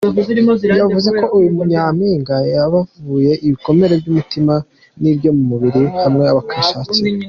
Yavuze ko uyu Nyampinga yabavuye ibikomere by’umutima n’ibyo ku mubiri hamwe akabashakira.